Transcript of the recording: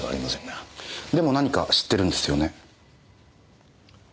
でも何か知ってるんですよね。